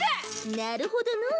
なるほどのう。